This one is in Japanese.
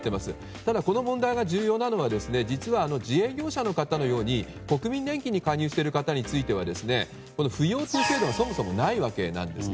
ただ、この問題が重要なのは実は自営業者の方のように国民年金に加入している方については扶養手数料がそもそもないわけなんですね。